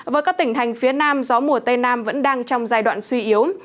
với các tỉnh thành phía nam gió mùa tây nam vẫn đang trong giai đoạn suy yếu